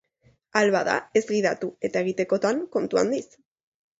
Ahal bada, ez gidatu eta, egitekotan, kontu handiz.